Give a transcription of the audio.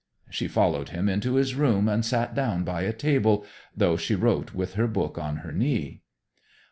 She followed him into his room and sat down by a table, though she wrote with her book on her knee.